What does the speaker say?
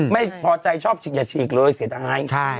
ไม่พอใจชอบฉีกอย่าฉีกเลยเสียดาย